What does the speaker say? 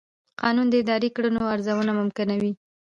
قانون د اداري کړنو ارزونه ممکنوي.